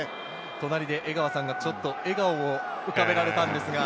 隣で江川さんが笑顔を浮かべられたんですが。